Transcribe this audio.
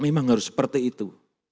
memang harus seperti itu